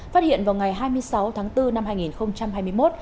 phát hiện vào ngày hai mươi sáu tháng bốn năm hai nghìn hai mươi một